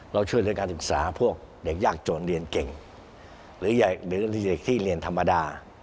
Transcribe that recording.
เราช่วยเหลือการศึกษาพวกเด็กยากจนเรียนเก่งหรือเด็กที่เรียนธรรมดา